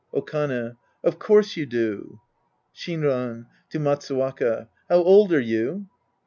Okane. Of course you do. Shinran (fo Matsuwaka). How old are you